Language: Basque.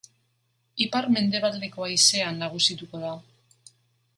Ipar-mendebaldeko haizea nagusituko da.